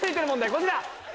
こちら！